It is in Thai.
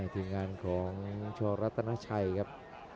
ทีมงานของชรัตนาชัยครับ